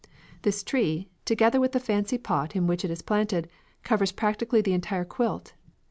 This tree, together with the fancy pot in which it is planted, covers practically the entire quilt.